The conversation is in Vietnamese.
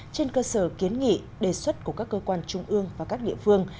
trên cơ sở kiến nghị đề xuất của các cơ quan trung ương và các địa phương